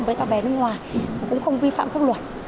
với các bé nước ngoài cũng không vi phạm pháp luật